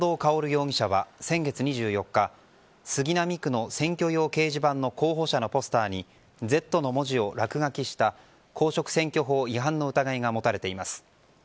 容疑者は先月２４日杉並区の選挙用掲示板の候補者のポスターに「Ｚ」の文字を落書きした公職選挙法違反の疑いが持たれています。